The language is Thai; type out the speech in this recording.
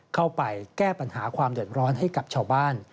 เข้าไปแก้ปัญหาความเดือดร้อนให้กับชาวบ้าน